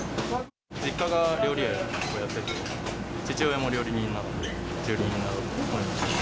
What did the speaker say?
実家が料理屋をやってて、父親も料理人なので、自分もなろうと思いました。